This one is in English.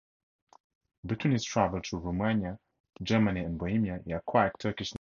Between his travels through Rumania, Germany and Bohemia he acquired Turkish nationality.